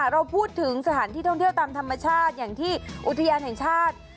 เราพูดถึงสถานที่ท่องเที่ยวตามธรรมชาติอย่างที่อุทยานแห่งชาติ